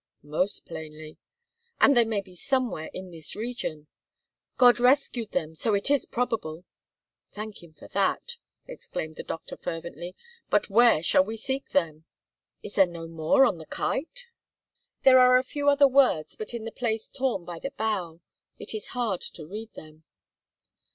'" "Most plainly." "And they may be somewhere in this region." "God rescued them, so it is probable." "Thank Him for that," exclaimed the doctor fervently. "But where shall we seek them?" "Is there no more on the kite?" "There are a few other words but in the place torn by the bough. It is hard to read them."